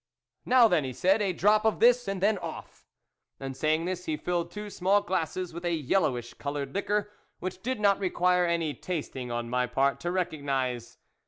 " Now, then," he said, " a drop of this, and then off !" And saying this, he filled two small glasses with a yellowish coloured liquor, which did not require any tasting on my part to recognize.